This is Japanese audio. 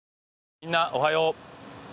みんなおはよう。